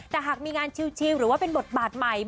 แต่หากมีงานชิลหรือว่าเป็นบทบาทใหม่